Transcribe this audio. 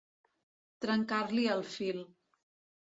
Trencar-li el fil.